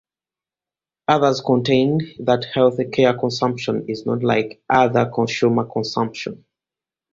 Others contend that health care consumption is not like other consumer consumption.